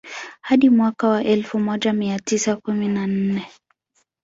Hadi mwaka wa elfu moja mia tisa kumi na nne